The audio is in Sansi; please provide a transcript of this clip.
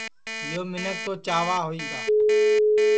یو منکھ توچاوا ہوئی گا